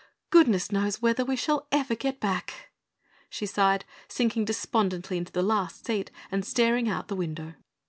"Goodness knows whether we shall ever get back," she sighed, sinking despondently into the last seat and staring out the window.